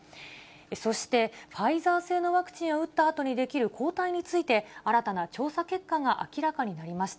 そして、ファイザー製のワクチンを打ったあとに出来る抗体について、新たな調査結果が明らかになりました。